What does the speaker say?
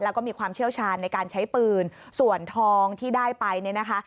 แล้วก็มีความเชี่ยวชาญในการใช้ปืนส่วนทองที่ได้ไปเนี่ยนะคะ